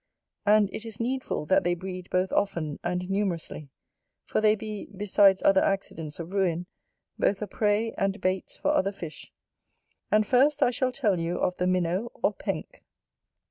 And it is needful that they breed both often and numerously; for they be, besides other accidents of ruin, both a prey and baits for other fish. And first I shall tell you of the Minnow or Penk.